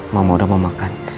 mama udah mau makan